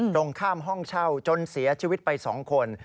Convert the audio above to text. ตรงข้ามห้องเช่าจนเสียชีวิตไป๒คน